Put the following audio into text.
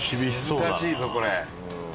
難しいぞこれ。